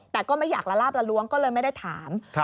แต่ก็ไม่อยากละลาบละล้วงก็เลยไม่ได้ถาม